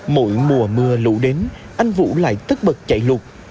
mỗi mùa mưa lũ đến anh vũ lại tất bật chạy lụt